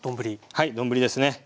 はい丼ですね。